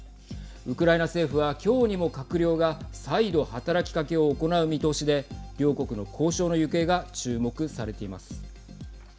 ウクライナ政府は今日にも閣僚が再度、働きかけを行う見通しで両国の交渉の行方が注目されています。